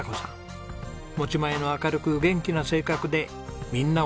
持ち前の明るく元気な性格でみんなを元気にしてます。